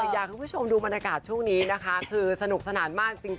อยากให้คุณผู้ชมดูบรรยากาศช่วงนี้นะคะคือสนุกสนานมากจริง